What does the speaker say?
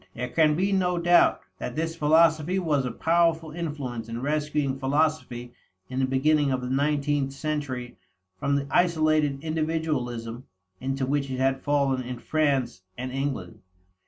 There can be no doubt that this philosophy was a powerful influence in rescuing philosophy in the beginning of the nineteenth century from the isolated individualism into which it had fallen in France and England.